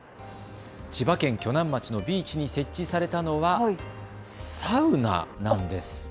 千葉県鋸南町のビーチに設置されたのはサウナなんです。